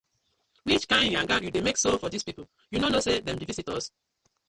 Which kind yanga you dey mek so for dis pipu, yu no kno say dem bi visitors?